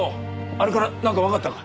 あれからなんかわかったか？